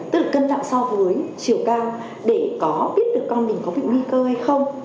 tức là cân nặng so với chiều cao để có biết được con mình có bị nguy cơ hay không